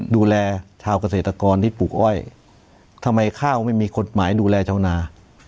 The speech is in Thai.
ดูแลชาวเกษตรกรที่ปลูกอ้อยทำไมข้าวไม่มีกฎหมายดูแลชาวนา